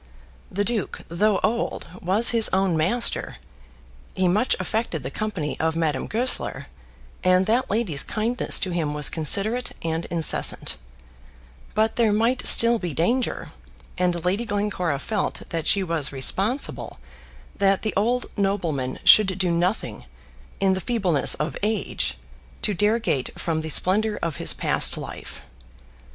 The duke, though old, was his own master; he much affected the company of Madame Goesler, and that lady's kindness to him was considerate and incessant; but there might still be danger, and Lady Glencora felt that she was responsible that the old nobleman should do nothing, in the feebleness of age, to derogate from the splendour of his past life.